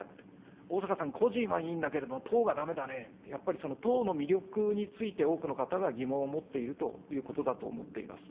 逢坂さん、個人はいいんだけれども、党がだめだねって、やっぱりその党の魅力について、多くの方が疑問を持っているということだと思っています。